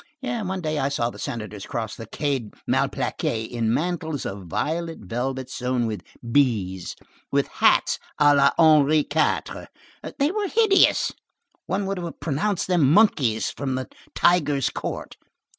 One day I saw the Senators cross the Quai Malplaquet in mantles of violet velvet sown with bees, with hats à la Henri IV. They were hideous. One would have pronounced them monkeys from the tiger's court.